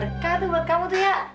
berkat tuh buat kamu tuh ya